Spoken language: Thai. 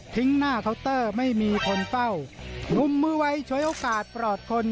ทิ้งหน้าเขาไม่มีคนเป้ามุมมือไว้ช่วยโอกาสปรอบคน